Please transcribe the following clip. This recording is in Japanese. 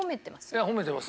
いや褒めてます。